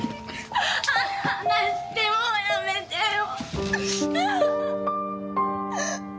離してよやめてよ。